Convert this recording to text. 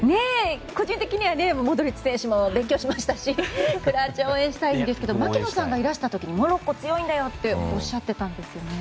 個人的にはモドリッチ選手も勉強しましたしクロアチアを応援したいんですけど槙野さんがいらした時にモロッコ、強いんだよっておっしゃってたんですよね。